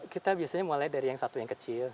kita biasanya mulai dari yang satu yang kecil